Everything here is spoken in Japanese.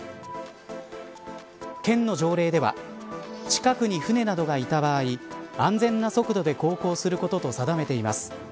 県の条例では近くに船などがいた場合安全な速度で航行することと定めています。